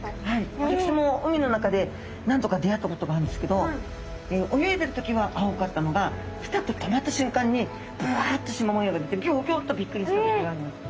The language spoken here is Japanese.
私も海の中で何度か出会ったことがあるんですけど泳いでる時は青かったのがピタッと止まった瞬間にぶわっとしま模様が出てギョギョッとびっくりしたことがあります。